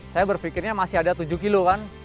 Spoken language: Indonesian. saya berpikirnya masih ada tujuh kilo kan